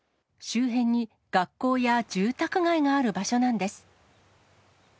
周辺に学校や住宅街がある場所なんです。